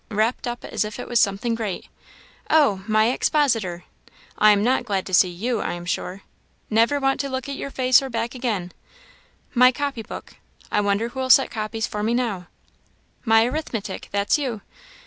wrapped up as if it was something great oh! my expositor; I am not glad to see you, I am sure; never want to look at your face or your back again. My copy book I wonder who'll set copies for me now; my arithmetic, that's you!